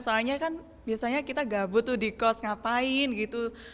soalnya kan biasanya kita gabut tuh di kos ngapain gitu